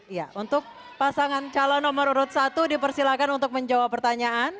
iya untuk pasangan calon nomor urut satu dipersilakan untuk menjawab pertanyaan